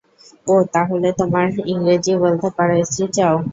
ও তাহলে, তোমার ইংরেজি বলতে পারা স্ত্রী চাও!